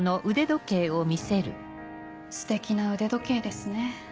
ステキな腕時計ですね。